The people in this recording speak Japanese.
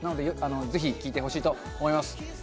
ぜひ聴いてほしいと思います。